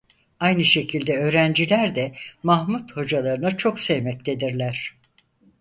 Aynı şekilde öğrenciler de Mahmut hocalarını çok sevmektedirler.